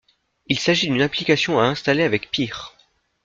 Il s’agit d’une application à installer avec PEAR.